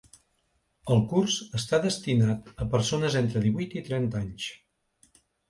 El curs està destinat a persones d’entre divuit i trenta anys.